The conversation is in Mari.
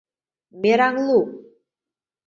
МЕРАҤ ЛУ